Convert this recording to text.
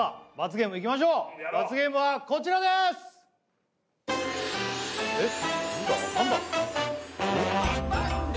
ゲームいきましょう罰ゲームはこちらです・えっ何だ？